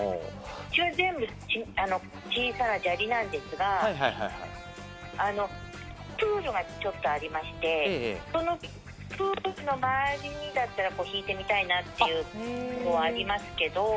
うちは全部小さな砂利なんですが、プールがちょっとありまして、そのプールの周りにだったら敷いてみたいなっていうのはありますけれども。